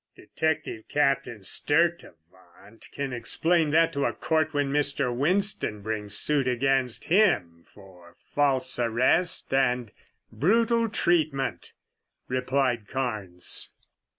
"Detective Captain Sturtevant can explain that to a court when Mr. Winston brings suit against him for false arrest and brutal treatment," replied Carnes.